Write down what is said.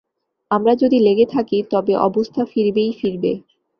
আমরা যদি লেগে থাকি, তবে অবস্থা ফিরবেই ফিরবে।